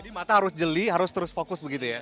jadi mata harus jeli harus terus fokus begitu ya